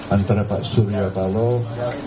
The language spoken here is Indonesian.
antara pak surya paloh